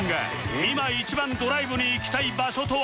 今一番ドライブで行きたい場所とは？